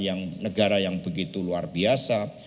yang negara yang begitu luar biasa